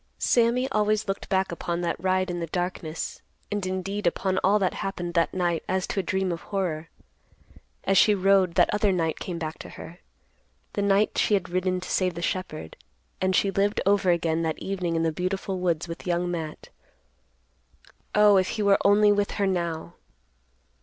Sammy always looked back upon that ride in the darkness, and, indeed, upon all that happened that night, as to a dream of horror. As she rode, that other night came back to her, the night she had ridden to save the shepherd, and she lived over again that evening in the beautiful woods with Young Matt. Oh, if he were only with her now!